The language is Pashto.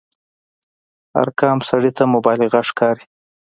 ارقام سړي ته مبالغه ښکاري.